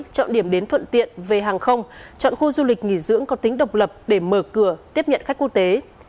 chọn điểm đến thuận tiện về hàng không chọn khu du lịch nghỉ dưỡng có tính độc lập để mở cửa tiếp nhận khách quốc tế